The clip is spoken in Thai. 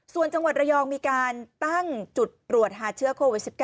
ส่วนจังหวัดระยองมีการตั้งจุดตรวจหาเชื้อโควิด๑๙